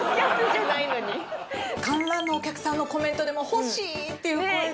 観覧のお客さんのコメントでも「欲しい」っていう声が。